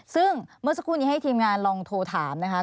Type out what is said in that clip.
ซึ่งเมื่อสักครู่นี้ให้ทีมงานลองโทรถามนะคะ